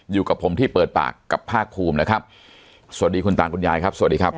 อยู่กับผมที่เปิดปากกับภาคภูมินะครับสวัสดีคุณตาคุณยายครับสวัสดีครับ